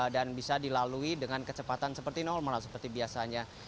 dan bisa dilalui dengan kecepatan seperti normal seperti biasanya